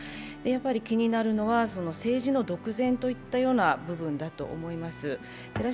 気になるのは、政治の独善といったような部分だと思います。